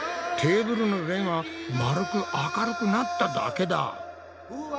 テーブルの上がまるく明るくなっただけだ。